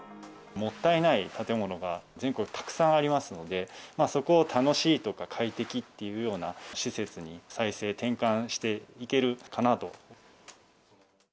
もったいない建物が、全国たくさんありますので、そこを楽しいとか、快適っていうような施設に再生、転換していけるかなと。